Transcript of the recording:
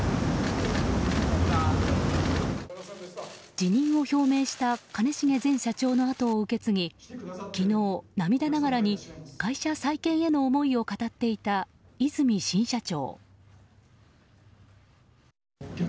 辞任を表明した兼重前社長のあとを受け継ぎ昨日、涙ながらに会社再建への思いを語っていた泉新社長。